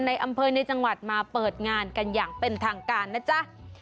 ในอำเภอในจังหวัดมาเปิดงานกันอย่างเป็นทางการนะจ๊ะ